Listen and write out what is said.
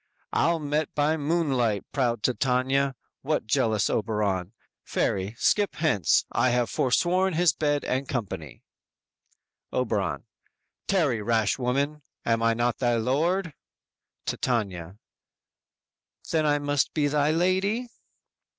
"Ill met by moonlight, proud Titania! What, jealous Oberon? Fairy, skip hence; I have forsworn his bed and company." Oberon: "Tarry, rash woman; am I not thy lord?" Titania: _"Then I must be thy lady?"